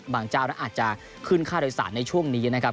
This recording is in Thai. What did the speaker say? เจ้านั้นอาจจะขึ้นค่าโดยสารในช่วงนี้นะครับ